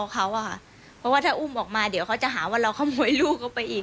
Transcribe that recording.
เพราะว่าถ้าอุ้มออกมาเดี๋ยวเขาจะหาว่าเราขโมยลูกเข้าไปอีก